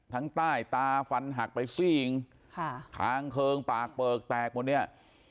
ใต้ตาฟันหักไปซี่เองค่ะคางเคิงปากเปลือกแตกหมดเนี่ย